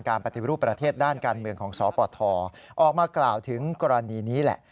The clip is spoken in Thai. ปฏิรูปประเทศด้านการเมืองของสปทออกมากล่าวถึงกรณีนี้แหละ